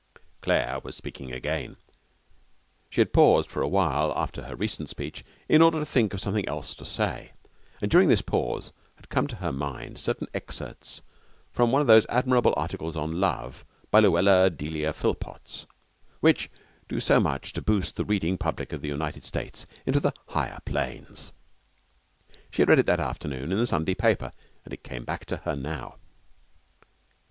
Claire was speaking again. She had paused for a while after her recent speech, in order to think of something else to say; and during this pause had come to her mind certain excerpts from one of those admirable articles on love, by Luella Delia Philpotts, which do so much to boost the reading public of the United States into the higher planes. She had read it that afternoon in the Sunday paper, and it came back to her now.